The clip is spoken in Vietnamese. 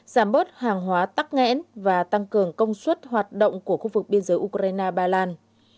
giảm bớt hàng hóa tắc nghẽn và tăng cường công suất hoạt động của khu vực biên giới ukraine ba lan